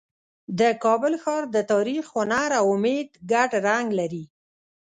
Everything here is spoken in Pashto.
د کابل ښار د تاریخ، هنر او امید ګډ رنګ لري.